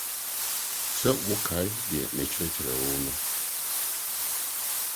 So wokae nea mekyerɛkyerɛɛ wo no?